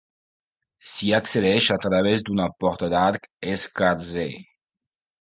S'hi accedeix a través d'una porta d'arc escarser.